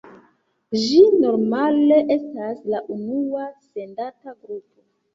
Ĝi normale estas la unua sendata grupo.